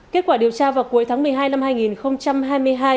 kết quả điều tra vào cuối tháng một mươi hai năm hai nghìn hai mươi hai